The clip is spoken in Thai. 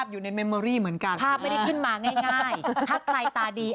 เมมเมอรี่เหมือนกันภาพไม่ได้ขึ้นมาง่ายถ้าใครตาดี